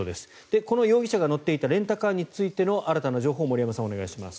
この容疑者が乗っていたレンタカーについての新たな情報を森山さんお願いします。